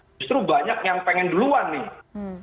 justru banyak yang pengen duluan nih